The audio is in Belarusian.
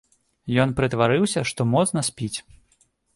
Ён прытвараўся, што моцна спіць.